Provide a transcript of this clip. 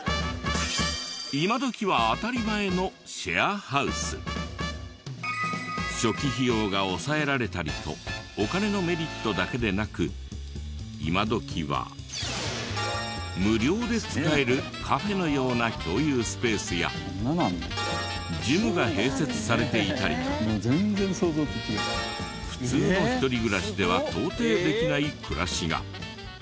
今どきは当たり前の初期費用が抑えられたりとお金のメリットだけでなく今どきは無料で使えるカフェのような共有スペースやジムが併設されていたりと普通の一人暮らしでは到底できない暮らしが。